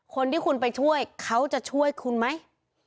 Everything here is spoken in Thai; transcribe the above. คนที่คุณไปช่วยเขาจะช่วยคุณไหม